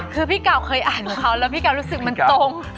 คือพี่เก่าเคยอ่านของเขาแล้วพี่กาวรู้สึกมันตรง